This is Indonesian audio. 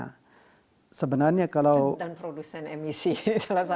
dan produsen emisi salah satu yang terbesar di dunia